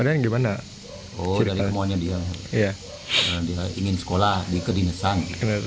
oh dari semuanya dia ingin sekolah dia kedinasan